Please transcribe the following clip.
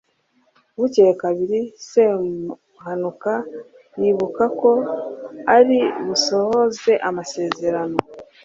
bukeye kabiri semuhanuka yibuka ko ari busohoze amasezerano